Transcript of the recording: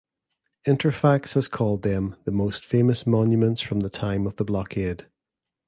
Interfax has called them the "most famous monuments from the time of the blockade".